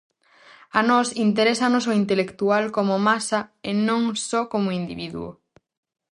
A nós interésanos o intelectual como masa e non só como individuo.